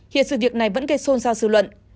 hiện sự việc này vẫn gây xôn xao dư luận